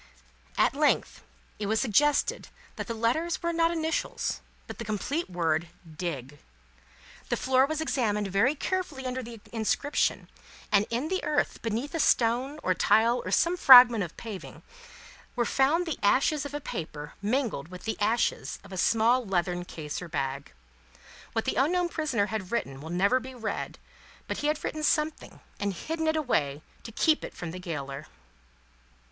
At length, it was suggested that the letters were not initials, but the complete word, DIG. The floor was examined very carefully under the inscription, and, in the earth beneath a stone, or tile, or some fragment of paving, were found the ashes of a paper, mingled with the ashes of a small leathern case or bag. What the unknown prisoner had written will never be read, but he had written something, and hidden it away to keep it from the gaoler."